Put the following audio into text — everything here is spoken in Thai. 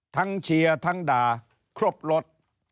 ทั้งเชียร์ทั้งด่าครบลด